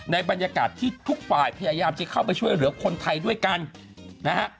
บรรยากาศที่ทุกฝ่ายพยายามจะเข้าไปช่วยเหลือคนไทยด้วยกันนะฮะ